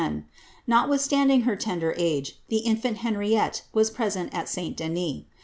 Notwith standing her tender age, the infant Henriette was present at St Denis.